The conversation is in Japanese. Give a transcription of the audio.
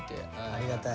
ありがたい。